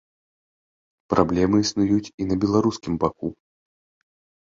Праблемы існуюць і на беларускім баку.